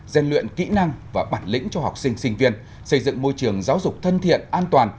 gian luyện kỹ năng và bản lĩnh cho học sinh sinh viên xây dựng môi trường giáo dục thân thiện an toàn